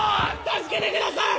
助けてください！